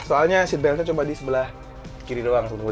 soalnya seat baildnya coba di sebelah kiri doang semua